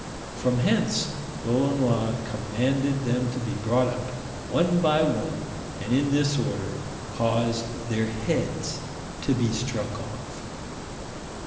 From hence Lolonois commanded them to be brought up, one by one, and in this order caused their heads to be struck off.